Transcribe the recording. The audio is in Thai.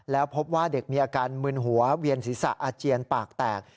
แล้วพบว่าเด็กมีอาการมึนหัวเวียนศีรษะอาเจียนปากแตก